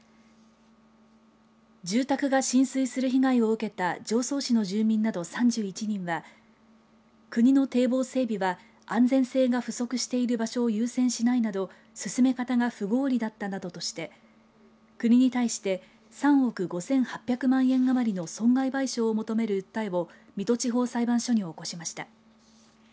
住宅が浸水する被害を受けた常総市の住民など３１人は国の堤防整備は安全性が不足している場所を優先しないなど進め方が不合理だったなどとして国に対して３億５８００万円余りの損害賠償を求める訴えを水戸地方裁判所に起こしました。